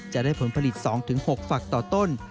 จะได้ผลผลิต๒๖ฝักต่อต้น